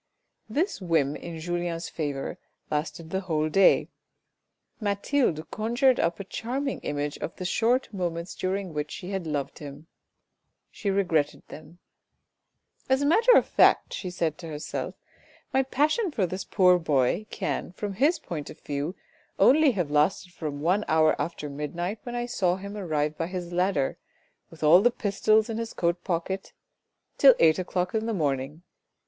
This whim in Julien's favour lasted the whole day; Mathilde conjured up a charming image of the short moments during which she had loved him : she regretted them. 358 THE RED AND THE BLACK " As a matter of fact," she said to herself, " my passion for this poor boy can from his point of view only have lasted from one hour after midnight when I saw him arrive by his ladder with all his pistols in his coat pocket, till eight o'clock in the morning.